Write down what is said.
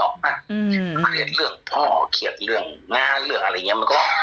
เครียดเรื่องพ่อเครียดเรื่องงานเรื่องอะไรอย่างนี้มันก็